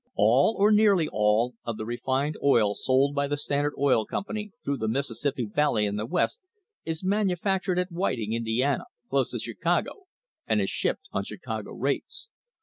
All, or nearly all, of the refined oil sold by the Standard Oil Company through the Mississippi Valley and the West is manufactured at Whit ing, Indiana, close to Chicago, and is shipped on Chicago rates.